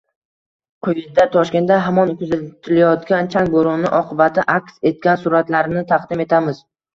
Quyida Toshkentda hamon kuzatilayotgan chang bo‘roni oqibati aks etgan suratlarini taqdim etamiz